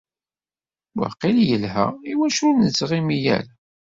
Waqil yelha. Iwacu ur nettɣimi ara?